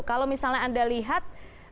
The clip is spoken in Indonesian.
kalau misalnya anda lihat